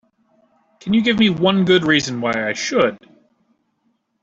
Can you give me one good reason why I should?